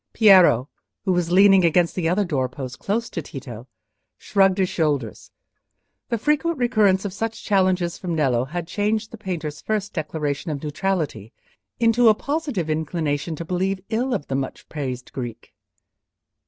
Piero, who was leaning against the other doorpost, close to Tito, shrugged his shoulders: the frequent recurrence of such challenges from Nello had changed the painter's first declaration of neutrality into a positive inclination to believe ill of the much praised Greek.